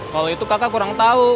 kalau itu kakak kurang tahu